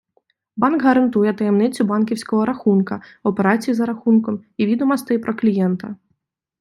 Банк гарантує таємницю банківського рахунка, операцій за рахунком і відомостей про клієнта.